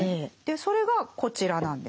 それがこちらなんです。